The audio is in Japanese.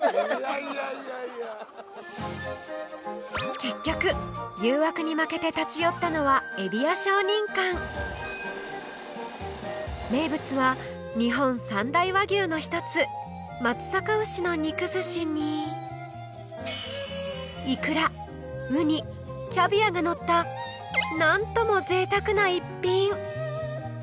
結局誘惑に負けて立ち寄ったのは「ゑびや商人館」名物は日本三大和牛のひとつ松阪牛の肉寿司にいくらうにキャビアがのったなんとも贅沢な１品！